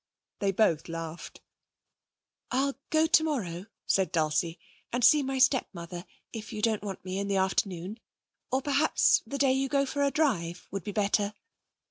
They both laughed. 'I'll go tomorrow,' said Dulcie, 'and see my stepmother, if you don't want me in the afternoon. Or, perhaps, the day you go for a drive would be better.'